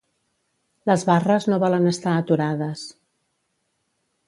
Les barres no volen estar aturades.